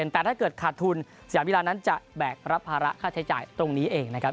แต่ถ้าเกิดขาดทุนสยามกีฬานั้นจะแบกรับภาระค่าใช้จ่ายตรงนี้เองนะครับ